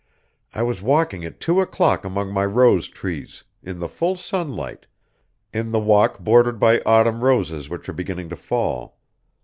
I was walking at two o'clock among my rose trees, in the full sunlight ... in the walk bordered by autumn roses which are beginning to fall.